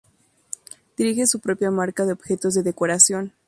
Dirige su propia marca de objetos de decoración.